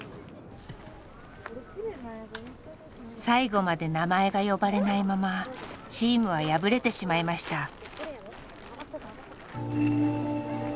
最後まで名前が呼ばれないままチームは敗れてしまいました。